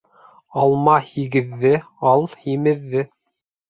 Алма һигеҙҙе, ал һимеҙҙе.